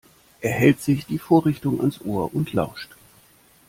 Er hält sich die Vorrichtung ans Ohr und lauscht.